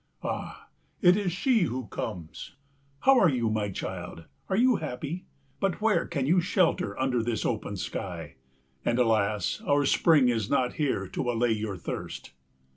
"Ah, it is she who comes. How are you, my child? Are you happy? But where can you shelter under this open sky? And, alas, our spring is not here to allay your thirst."